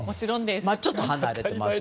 ちょっと離れてます。